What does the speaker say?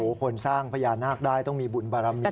โอ้โฮคนสร้างพยานาฆได้ต้องมีบุญบรรณมีมากกัน